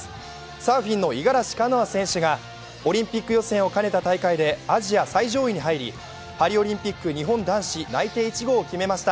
サーフィンの五十嵐カノア選手がオリンピック予選を兼ねた大会でアジア最上位に入りパリオリンピック日本男子内定１号になりました。